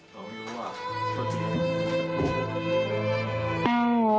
ผมไม่รู้อ่ะ